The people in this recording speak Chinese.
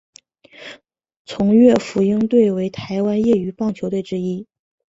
崇越隼鹰队为台湾业余棒球队伍之一。